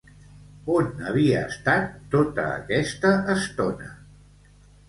On havia estat tota aquesta estona?